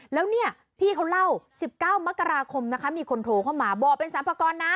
แล้วเนี่ยพี่เขาเล่า๑๙มกราคมนะคะมีคนโทรเข้ามาบอกเป็นสรรพากรนะ